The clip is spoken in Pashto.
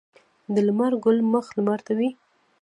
د لمر ګل مخ لمر ته وي.